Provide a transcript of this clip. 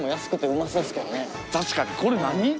確かにこれ何？